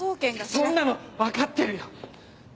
そんなの分かってるよ！